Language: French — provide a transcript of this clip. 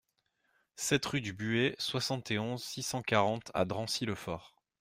sept rue du Buet, soixante et onze, six cent quarante à Dracy-le-Fort